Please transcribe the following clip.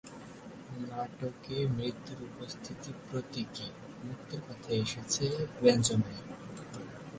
নাটকে মৃত্যুর উপস্থিতি প্রতীকী; মুক্তির কথাটা এসেছে ব্যঞ্জনায়।